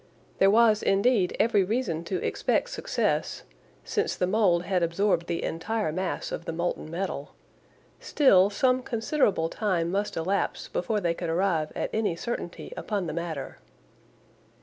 There was indeed every reason to expect success, since the mould has absorbed the entire mass of the molten metal; still some considerable time must elapse before they could arrive at any certainty upon the matter.